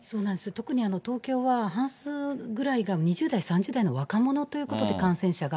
特に東京は半数ぐらいが２０代、３０代の若者ということで、感染者が。